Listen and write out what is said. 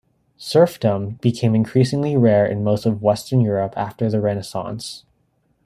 Serfdom became increasingly rare in most of Western Europe after the Renaissance.